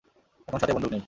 এখন সাথে বন্দুক নেই।